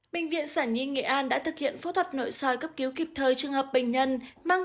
bệnh viện sản nhi nghệ an đã thực hiện phẫu thuật nội soi cấp cứu kịp thời trường hợp bệnh nhân mang